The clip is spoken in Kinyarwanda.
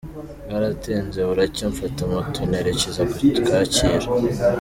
Bwaratinze buracya mfata moto nerekeza ku Kacyiru.